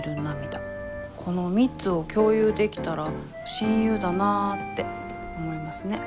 この３つを共有できたら「親友だなぁ」って思いますね。